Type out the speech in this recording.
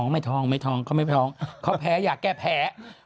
ไม่ท้องไม่ท้องเขาไม่ท้องเขาแพ้อยากแก้แพ้